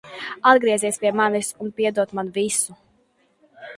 Atgriezies pie manis un piedod man visu!